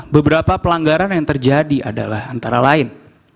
beberapa pelanggaran yang terjadi adalah antara lain